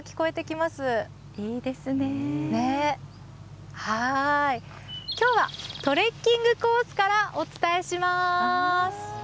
きょうはトレッキングコースからお伝えします。